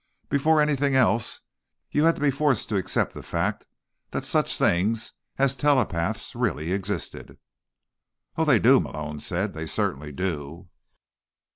"Before anything else, you had to be forced to accept the fact that such things as telepaths really existed." "Oh, they do," Malone said. "They certainly do."